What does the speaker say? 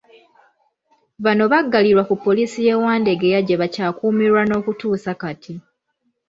Bano baggalirwa ku poliisi y'e Wandegeya gye bakyakuumirwa n'okutuusa kati.